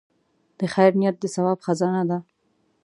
د خیر نیت د ثواب خزانه ده.